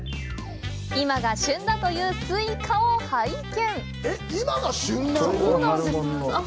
今が旬だというスイカを拝見！